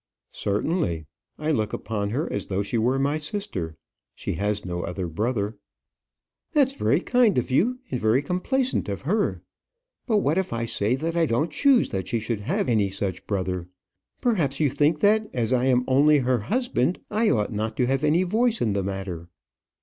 "Certainly. I look upon her as though she were my sister. She has no other brother." "That's very kind of you, and very complaisant of her. But what if I say that I don't choose that she should have any such brother? Perhaps you think that as I am only her husband, I ought not to have any voice in the matter?"